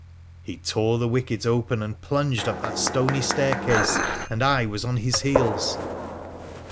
He tore the wicket open and plunged up that stony stair case, and I was on his heels.